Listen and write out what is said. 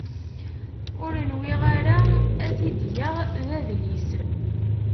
Ur nwiɣ ara ad t-id-geɣ d adlis.